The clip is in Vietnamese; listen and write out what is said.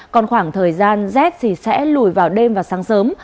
còn khoảng thời gian rét thì sẽ lùi vào đêm và sáng sớm